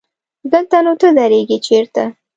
دلته نو ته درېږې چېرته؟